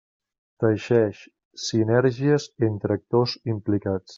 Teixeix sinergies entre actors implicats.